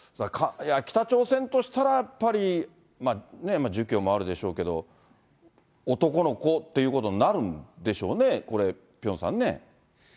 北朝鮮としたらやっぱりね、儒教もあるでしょうけど、男の子っていうことになるんでしょうね、これ、ピョンさんね。